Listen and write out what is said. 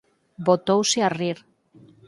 Botouse a rir.